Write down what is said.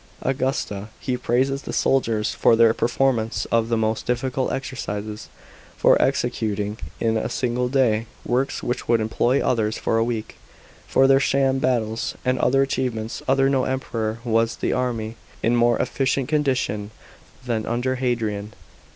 Augusta. He prai es the soldiers for their performance of the most difficult exercises, for executing in a single day works which would employ others for a week, for their sham battles, and other achievements. Under no Emperor was the army in moie efficient condition than under Hadrian.